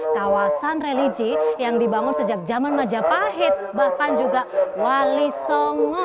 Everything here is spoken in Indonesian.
kawasan religi yang dibangun sejak zaman majapahit bahkan juga wali songo